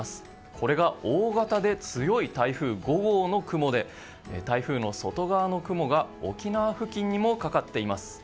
これが大型で強い台風５号の雲で台風の外側の雲が沖縄付近にもかかっています。